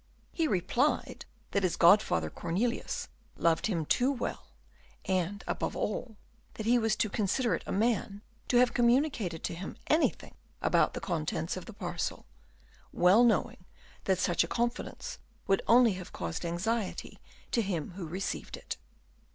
He replied that his godfather Cornelius loved him too well, and, above all, that he was too considerate a man to have communicated to him anything of the contents of the parcel, well knowing that such a confidence would only have caused anxiety to him who received it.